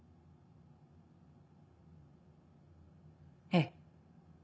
ええ。